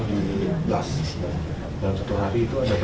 beli pulsa terus beli paket sms